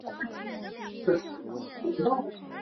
匙指虾科是匙指虾总科之下唯一的一个科。